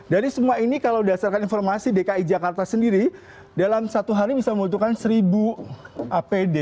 dari semua ini kalau dasarkan informasi dki jakarta sendiri dalam satu hari bisa membutuhkan seribu apd